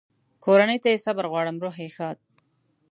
کورنۍ ته یې صبر غواړم، روح یې ښاد.